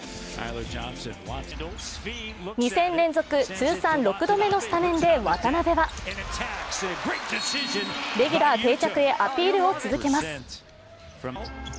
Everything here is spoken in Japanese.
２戦連続、通算６度目のスタメンで渡邊はレギュラー定着へアピールを続けます。